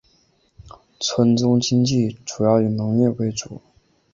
村中经济主要以农业为主。